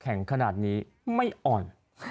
แข็งขนาดนี้ไม่อ่อน